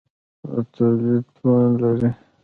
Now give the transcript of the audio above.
د تولید توان لري.